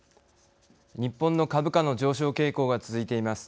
日本の株価の上昇傾向が続いています。